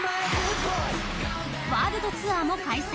ワールドツアーも開催。